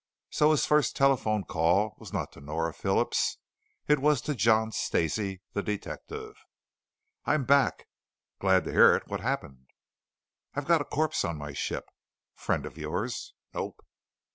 So his first telephone call was not to Nora Phillips. It was to John Stacey, the detective. "I'm back." "Glad to hear it. Wha' hoppen?" "I've got a corpse on my ship." "Friend of yours?" "Nope."